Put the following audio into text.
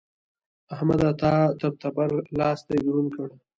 احمده! تا تر تبر؛ لاستی دروند کړ.